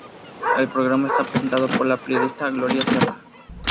El programa está presentado por la periodista Glòria Serra.